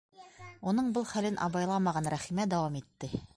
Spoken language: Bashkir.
Уның был хәлен абайламаған Рәхимә дауам итте: